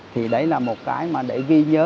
thì đấy là một cái mà để ghi nhớ